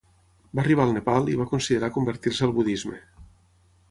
Va arribar al Nepal i va considerar convertir-se al budisme.